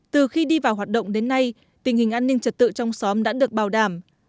từ khi đi vào hoạt động đến nay tình hình an ninh trật tự trong xóm đã được bảo đảm